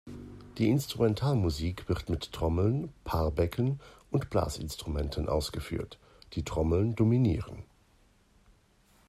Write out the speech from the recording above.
Die Instrumentalmusik wird mit Trommeln, Paarbecken und Blasinstrumenten ausgeführt; die Trommeln dominieren.